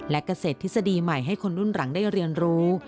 และเกษตรทฤษฎีใหม่ให้คนรุ่นหลังได้เรียนรู้